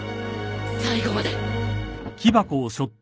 最後まで！